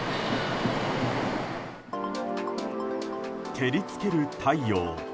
照り付ける太陽。